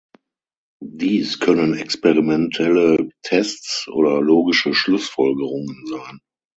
Dies können experimentelle Tests oder logische Schlussfolgerungen sein.